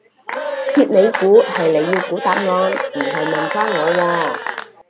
揭尾故係你要估答案唔係問返我喎